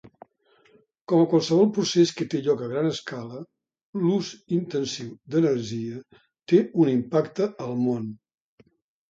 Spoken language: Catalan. Com qualsevol procés que té lloc a gran escala, l'ús intensiu d'energia té un impacte al món.